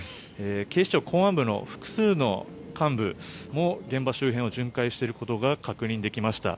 警視庁公安部の複数の幹部も現場周辺を巡回している様子を確認できました。